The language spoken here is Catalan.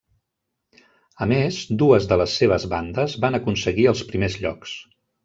A més, dues de les seves bandes van aconseguir els primers llocs.